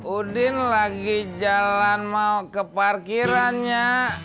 udin lagi jalan mau ke parkirannya